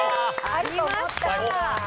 ありました。